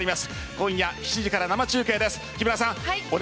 今夜７時から生中継です。